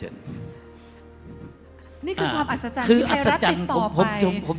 นี่คือความอัศจรรย์ที่ไทยรัฐติดต่อผม